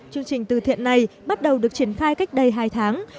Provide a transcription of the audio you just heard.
chương trình từ thiện này bắt đầu được triển khai cách đây hai tháng